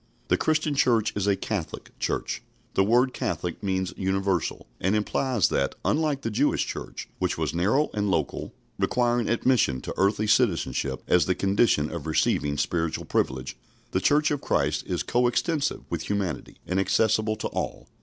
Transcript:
The Christian Church is a Catholic Church. The word "Catholic" means universal, and implies that, unlike the Jewish Church, which was narrow and local, requiring admission to earthly citizenship as the condition of receiving spiritual privilege, the Church of Christ is coextensive with humanity, and accessible to all.